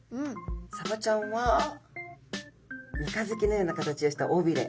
サバちゃんは三日月のような形をした尾びれ。